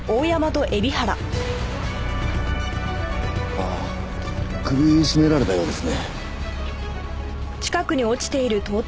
ああ首絞められたようですね。